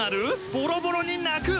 ボロボロに泣く！